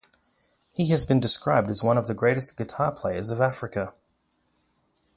He has been described as one of the greatest guitar players of Africa.